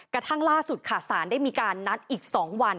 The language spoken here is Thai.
กระทั่งล่าสุดค่ะสารได้มีการนัดอีก๒วัน